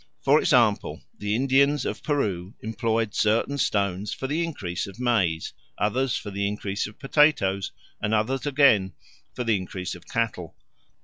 For example, the Indians of Peru employed certain stones for the increase of maize, others for the increase of potatoes, and others again for the increase of cattle.